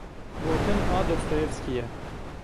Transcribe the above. Gotin a Dostoyevskî ye.